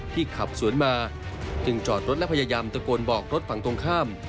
ขับสวนมาจึงจอดรถและพยายามตะโกนบอกรถฝั่งตรงข้าม